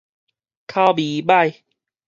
口味䆀